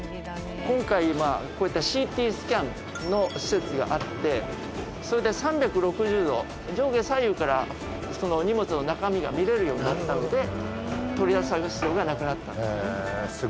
今回こういったＣＴスキャンの施設があってそれで３６０度上下左右からその荷物の中身が見れるようになったので取り出す必要がなくなったんですね。